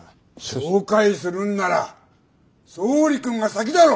紹介するんなら総理君が先だろう！